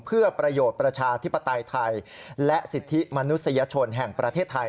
เพื่อประโยชน์ประชาธิปไตยไทยและสิทธิมนุษยชนแห่งประเทศไทย